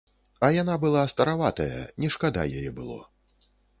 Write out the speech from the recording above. А яна была стараватая, не шкада яе было.